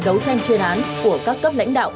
đấu tranh chuyên án của các cấp lãnh đạo